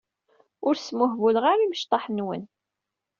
Ur smuhbuleɣ ara imecṭaḥ-nwen.